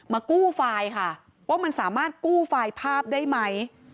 กู้ไฟล์ค่ะว่ามันสามารถกู้ไฟล์ภาพได้ไหม